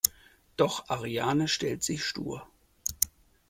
Doch Ariane stellt sich stur.